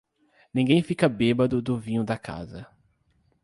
Ninguém fica bêbado do vinho da casa.